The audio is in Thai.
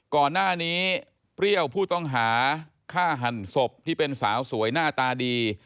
ก่อนหน้านี้เปรี้ยวผู้ต้องหาฆ่าหันศพที่เป็นสาวสวยหน้าตาดี